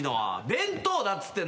弁当だっつってんの。